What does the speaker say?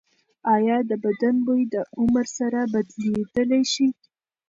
ایا د بدن بوی د عمر سره بدلیدلی شي؟